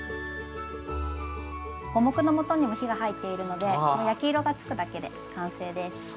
五目のもとにも火が入っているので焼き色がつくだけで完成です。